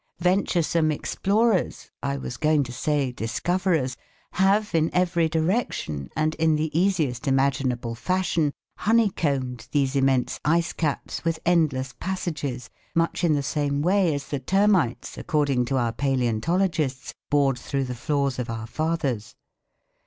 Venturesome explorers, I was going to say discoverers, have in every direction and in the easiest imaginable fashion honeycombed these immense ice caps with endless passages much in the same way as the termites, according to our palæontologists, bored through the floors of our fathers.